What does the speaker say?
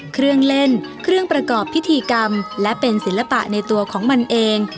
เครื่องเล่นเครื่องประกอบพิธีกรรมและเป็นศิลปะในตัวของมันเอง